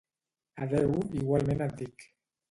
—Adeu, igualment et dic.